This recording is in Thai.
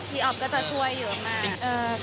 อ๊อฟก็จะช่วยเยอะมาก